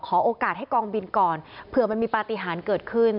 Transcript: โอกาสให้กองบินก่อนเผื่อมันมีปฏิหารเกิดขึ้น